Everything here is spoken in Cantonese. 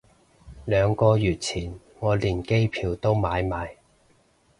兩個月前我連機票都買埋